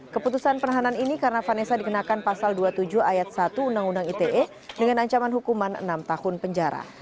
keputusan penahanan ini karena vanessa dikenakan pasal dua puluh tujuh ayat satu undang undang ite dengan ancaman hukuman enam tahun penjara